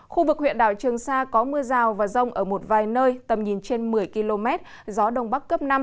khu vực huyện đảo trường sa có mưa rào và rông ở một vài nơi tầm nhìn trên một mươi km gió đông bắc cấp năm